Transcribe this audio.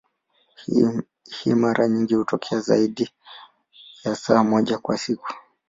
Hii mara nyingi hutokea zaidi ya saa moja kwa siku.